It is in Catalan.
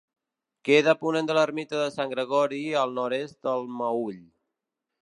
Queda a ponent de l'ermita de Sant Gregori i al nord-est del Meüll.